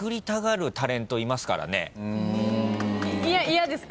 嫌ですか？